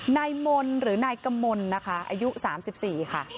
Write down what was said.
นายมนต์หรือนายกมลนะคะอายุ๓๔ค่ะ